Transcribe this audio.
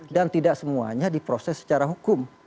delapan puluh enam dan tidak semuanya diproses secara hukum